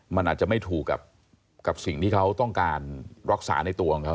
มันอาจจะไม่ถูกกับสิ่งที่เขาต้องการรักษาในตัวของเขา